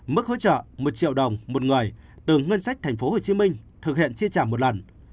mức hỗ trợ một triệu đồng một người từ ngân sách thành phố hồ chí minh thực hiện chia trả một lần